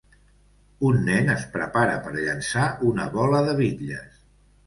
Un nen es prepara per llançar una bola de bitlles